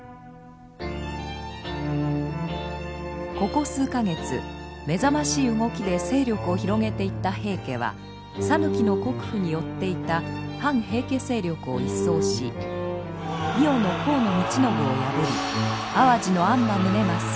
ここ数か月目覚ましい動きで勢力を広げていった平家は讃岐の国府によっていた反平家勢力を一掃し伊予の河野通信を破り淡路の安摩宗益